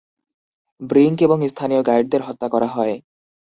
Brink এবং স্থানীয় গাইডদের হত্যা করা হয়।